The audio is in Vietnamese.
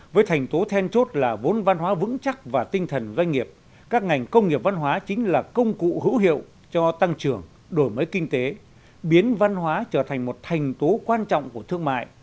với thành tố then chốt là vốn văn hóa vững chắc và tinh thần doanh nghiệp các ngành công nghiệp văn hóa chính là công cụ hữu hiệu cho tăng trưởng đổi mới kinh tế biến văn hóa trở thành một thành tố quan trọng của thương mại